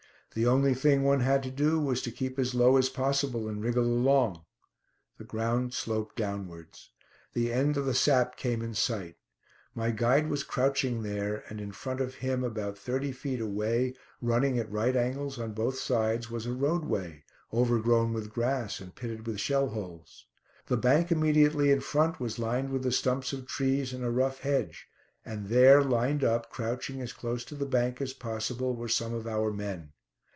The only thing one had to do was to keep as low as possible and wriggle along. The ground sloped downwards. The end of the sap came in sight. My guide was crouching there, and in front of him, about thirty feet away, running at right angles on both sides, was a roadway, overgrown with grass and pitted with shell holes. The bank immediately in front was lined with the stumps of trees and a rough hedge, and there lined up, crouching as close to the bank as possible, were some of our men.